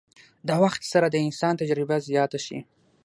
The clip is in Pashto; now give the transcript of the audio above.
د وخت سره د انسان تجربه زياته شي